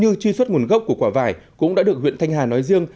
như truy xuất nguồn gốc của quả vải cũng đã được huyện thanh hà nói riêng